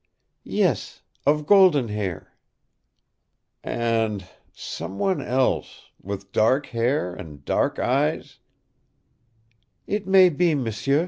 "Yes, of Golden Hair." "And some one else with dark hair and dark eyes " "It may be, m'sieu."